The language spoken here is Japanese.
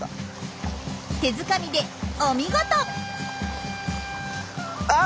手づかみでお見事！